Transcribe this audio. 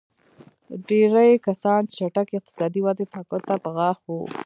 ډېری کسان چټکې اقتصادي ودې ته ګوته په غاښ وو.